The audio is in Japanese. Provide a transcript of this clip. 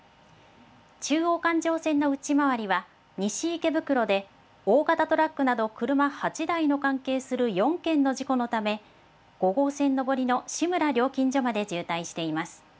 中央環状線の内回りは、西池袋で大型トラックなど車８台の関係する４件の事故のため、５号線上りの志村料金所まで渋滞しています。